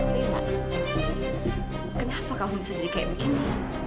kenapa kamu bisa jadi kayak begini